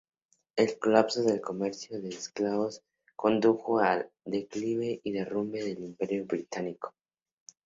El colapso del comercio de esclavos condujo al declive y derrumbe del Imperio británico.